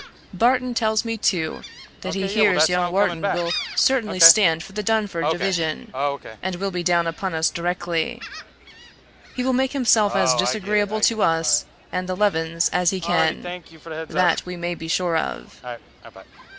Barton tells me, too, that he hears young Wharton will certainly stand for the Durnford division, and will be down upon us directly. He will make himself as disagreeable to us and the Levens as he can that we may be sure of.